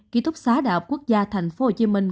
ký thúc xá đại học quốc gia thành phố hồ chí minh